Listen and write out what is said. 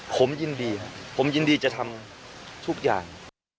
ผมยินดีครับผมยินดีจะทำทุกอย่าง